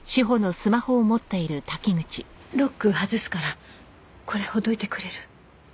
ロック外すからこれほどいてくれる？